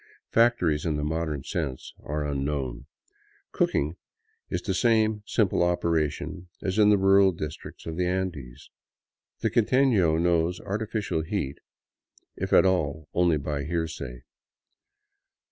Factories, in the modern sense, are unknown ; cooking is the same simple operation as in the rural districts of the Andes. The quiteno knows artificial heat, if at all, only by hearsay.